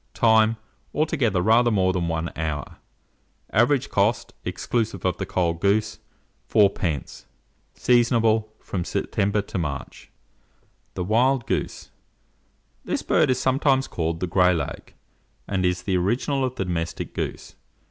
Time. Altogether, rather more than 1 hour. Average cost, exclusive of the cold goose, 4d. Seasonable from September to March. THE WILD GOOSE. This bird is sometimes called the "Gray lag" and is the original of the domestic goose.